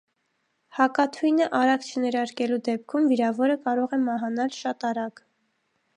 Հակաթույնը արագ չներարկելու դեպքում վիրավորը կարող է մահանալ շատ արագ։